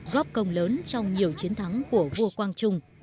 góp công lớn trong nhiều chiến thắng của vua quang trung